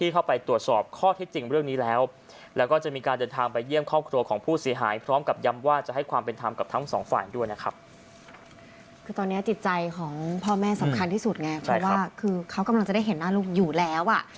เพราะว่าแม่สำคัญที่สุดไงเพราะว่าคือเขากำลังจะได้เห็นหน้าลูกอยู่แล้ว